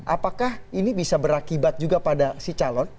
apakah ini bisa berakibat juga pada si calon